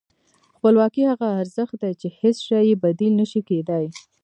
خپلواکي هغه ارزښت دی چې هېڅ شی یې بدیل نه شي کېدای.